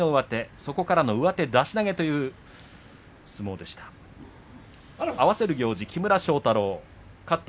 そこからの上手出し投げという相撲でした。